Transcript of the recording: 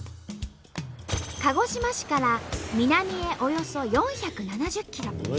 鹿児島市から南へおよそ４７０ｋｍ。